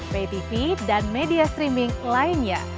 ptv dan media streaming lainnya